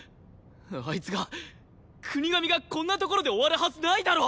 あいつが國神がこんなところで終わるはずないだろ！